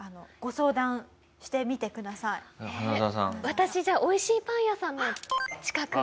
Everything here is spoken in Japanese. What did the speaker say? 私じゃあおいしいパン屋さんの近くがいいですね。